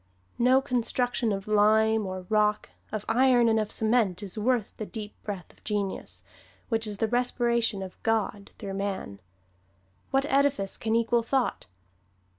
No construction of lime, or rock, of iron and of cement is worth the deep breath of genius, which is the respiration of God through man. What edifice can equal thought?